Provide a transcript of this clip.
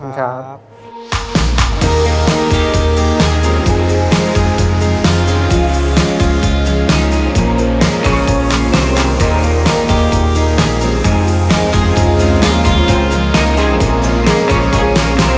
โปรดติดตามตอนต่อไป